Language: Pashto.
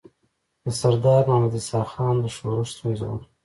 د سردار محمد اسحق خان د ښورښ ستونزه وه.